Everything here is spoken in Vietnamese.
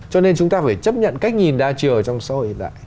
cho nên chúng ta phải chấp nhận cách nhìn đa chiều ở trong sâu ấy lại